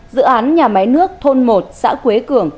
dự án nhà máy nước thôn một xã quế cường